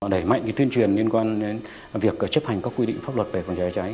đẩy mạnh tuyên truyền liên quan đến việc chấp hành các quy định pháp luật về phòng cháy cháy